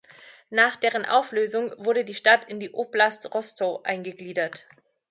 Nach deren Auflösung wurde die Stadt in die Oblast Rostow eingegliedert.